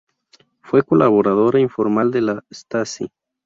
Fue colaboradora informal de la Stasi.